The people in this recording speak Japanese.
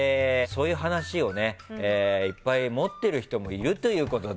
そういう話をいっぱい持っている人もいるということで。